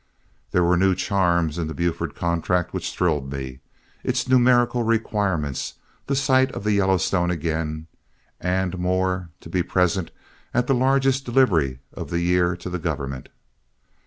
There were new charms in the Buford contract which thrilled me, its numerical requirements, the sight of the Yellowstone again, and more, to be present at the largest delivery of the year to the government.